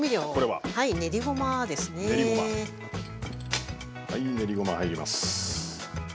はい練りごま入ります。